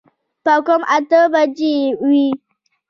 پاو کم اته بجې وې.